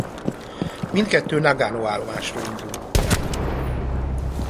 Mindkettő Nagano állomásról indul.